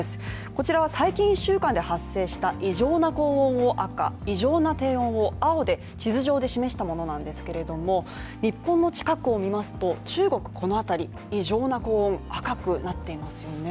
こちらは最近１週間で発生した異常な高温を赤異常な低温を青で地図上で示したものなんですけれども、日本の近くを見ますと、中国この辺り、異常な高温赤くなっていますよね。